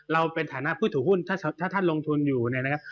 เราเป็นฐานะผู้ถูกหุ้นถ้าท่านลงทุนอยู่นะครับ